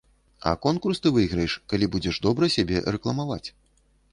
А конкурс ты выйграеш, калі будзеш добра сябе рэкламаваць.